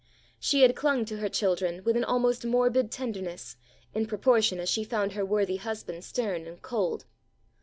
She had clung to her children with an almost morbid tenderness, in proportion as she found her worthy husband stern and cold.